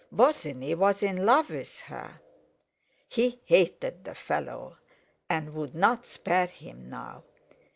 Bosinney was in love with her! He hated the fellow, and would not spare him now.